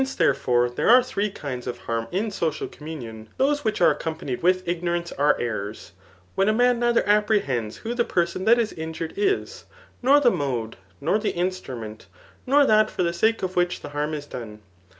Sincci therefore, there are three kinds of harm in social communion,, those which are accompanied with Ignorance are errors, when a man neither apprehends who the person that is injured is, nor the mode, nor the instrument, nor that for the sake of which the harm is done.